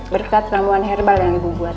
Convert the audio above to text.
berkat ramuan herbal yang ibu buat